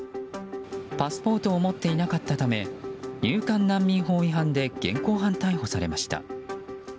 パスポートを持っていなかったため入管難民法違反で現行犯逮捕されました。